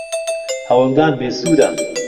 هەوڵدان بێسوودە.